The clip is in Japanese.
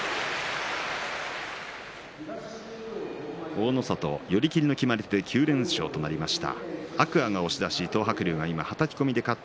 大の里、寄り切りの決まり手で９連勝となりました。